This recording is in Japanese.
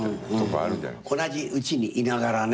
同じうちにいながらね。